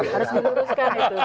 harus diluruskan itu